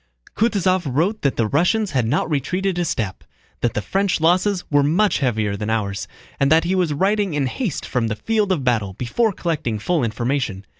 Kutúzov wrote that the Russians had not retreated a step, that the French losses were much heavier than ours, and that he was writing in haste from the field of battle before collecting full information.